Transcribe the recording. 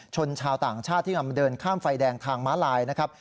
ชาวต่างชาติที่กำลังเดินข้ามไฟแดงทางม้าลายนะครับ